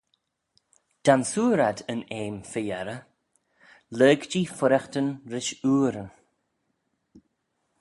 Dansoor ad yn eam fy-yerrey, lurg jee fuirraghtyn rish ooryn.